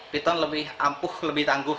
piton lebih ampuh lebih tangguh